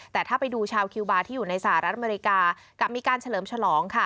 แต่ถ้าไปดูชาวคิวบาร์ที่อยู่ในสหรัฐอเมริกากับมีการเฉลิมฉลองค่ะ